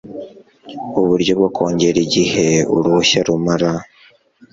Uburyo bwo kongera igihe uruhushya rumara